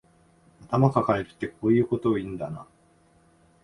頭かかえるってこういうこと言うんだな